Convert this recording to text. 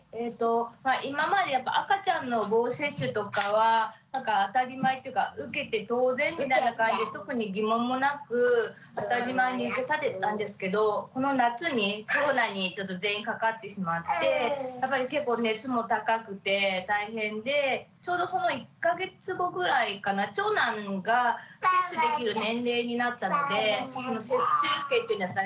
まあ今までやっぱ赤ちゃんの予防接種とかはなんか当たり前っていうか受けて当然みたいな感じで特に疑問もなく当たり前に受けさせてたんですけどこの夏にコロナにちょっと全員かかってしまってやっぱり結構熱も高くて大変でちょうどその１か月後ぐらいかな長男が接種できる年齢になったので接種券っていうんですかね